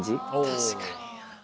確かにな。